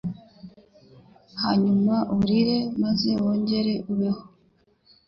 hanyuma urire maze wongere ubeho!”